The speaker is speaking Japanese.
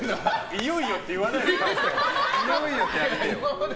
いよいよって言わないで。